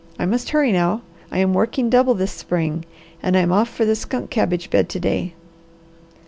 I must hurry now. I am working double this spring and I'm off for the skunk cabbage bed to day."